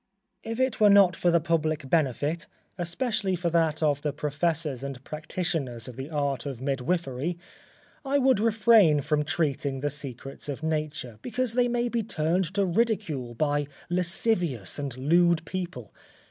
_ If it were not for the public benefit, especially for that of the professors and practitioners of the art of midwifery, I would refrain from treating the secrets of Nature, because they may be turned to ridicule by lascivious and lewd people.